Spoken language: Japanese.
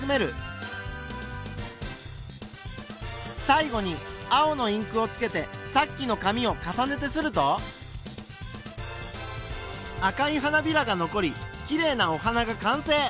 最後に青のインクをつけてさっきの紙を重ねて刷ると赤い花びらが残りきれいなお花が完成。